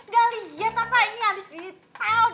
ga liat apa ini abis dipel